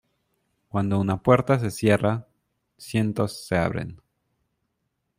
Cuando una puerta se cierra, ciento se abren.